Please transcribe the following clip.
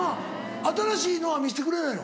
新しいのは見せてくれないの？